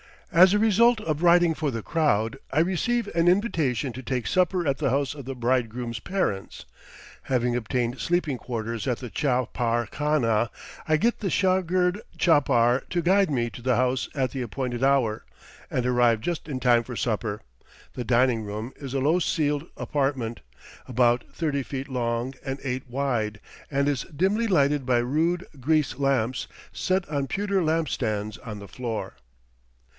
As a result of riding for the crowd, I receive an invitation to take supper at the house of the bridegroom's parents. Having obtained sleeping quarters at the chapar khana, I get the shagird chapar to guide me to the house at the appointed hour, and arrive just in time for supper. The dining room is a low ceiled apartment, about thirty feet long and eight wide, and is dimly lighted by rude grease lamps, set on pewter lamp stands on the floor.